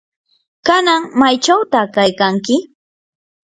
¿kanan maychawta kaykanki?